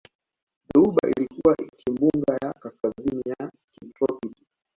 Dhoruba ilikuwa kimbunga ya kaskazini ya kitropiki